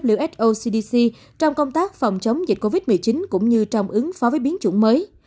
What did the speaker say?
bộ y tế đã phối hợp chặt chẽ với who trong công tác phòng chống dịch covid một mươi chín cũng như trong ứng phó với biến chủng mới